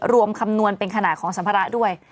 คำนวณเป็นขนาดของสัมภาระด้วย